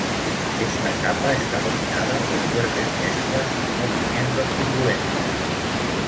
Esta capa está dominada por fuertes mezclas y movimientos turbulentos.